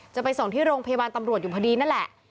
จะไปส่งที่โรงพยาบาลตำรวจอยู่พอดีนั่นแหละ